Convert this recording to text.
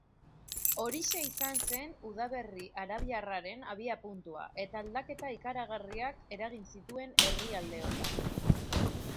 Horixe izan zen udaberri arabiarraren abiapuntua, eta aldaketa ikaragarriak eragin zituen herrialdeotan.